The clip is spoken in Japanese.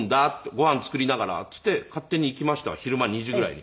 「ご飯作りながら」って言って勝手に行きました昼間２時ぐらい。